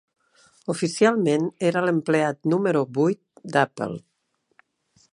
Oficialment era l'empleat número vuit d'Apple.